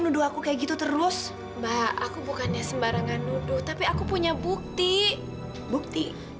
menuduh aku kayak gitu terus mbak aku bukannya sembarangan nuduh tapi aku punya bukti bukti